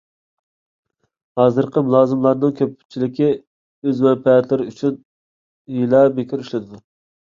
ھازىرقى مۇلازىملارنىڭ كۆپچىلىكى ئۆز مەنپەئەتلىرى ئۈچۈن ھىيلە - مىكىر ئىشلىتىدۇ.